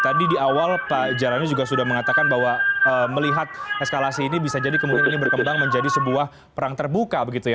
tadi di awal pak jarani juga sudah mengatakan bahwa melihat eskalasi ini bisa jadi kemudian ini berkembang menjadi sebuah perang terbuka begitu ya